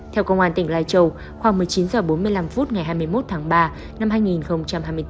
theo công an tỉnh lai châu khoảng một mươi chín h bốn mươi năm phút ngày hai mươi một tháng ba năm hai nghìn hai mươi bốn